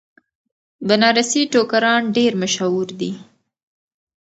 بنارسي ټوکران ډیر مشهور دي.